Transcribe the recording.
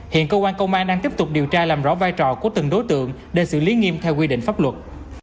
hiện cơ quan công an đang tiếp tục điều tra làm rõ vai trò của từng đối tượng để xử lý nghiêm theo quy định pháp luật